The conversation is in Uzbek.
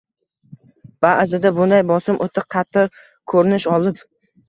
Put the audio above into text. Ba’zida bunday bosim o‘ta qattiq ko‘rinish olib